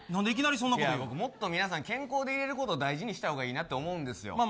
もっと皆さん、健康でいれることを大事にした方がいいなと思うんですよ。